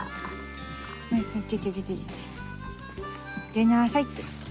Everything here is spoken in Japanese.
出なさいって。